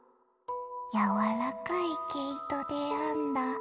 「やわらかいけいとであんだ」